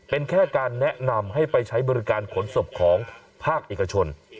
เป็นแค่การแนะนำให้ไปใช้บริการขนศพของภาคเอกชน